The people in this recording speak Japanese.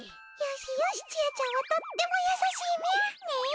よしよしちあちゃんはとっても優しいみゃ。ね。